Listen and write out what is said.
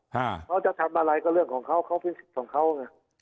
เขาจะทำอะไรก็เรื่องของเขาเขาเป็นสิทธิ์ของเขาไง